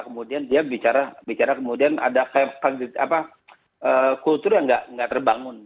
kemudian dia bicara bicara kemudian ada kaya apa kultur yang nggak terbangun